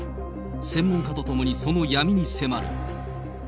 専門家と共にその闇に迫る。